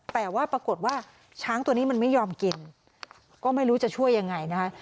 แต่ว่าปรากฏว่าช้างตัวนี้มันไม่ยอมกินก็ไม่รู้จะช่วยยังไงนะคะ